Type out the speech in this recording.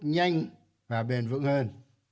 nhanh và bền vững hơn